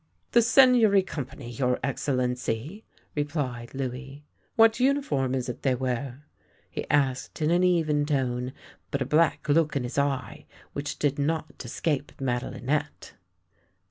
"The Seigneury company, your Excellency," replied Louis. " What uniform is it they wear? " he asked in an even tone, but a black look in his eye, which did not escape Madelinette.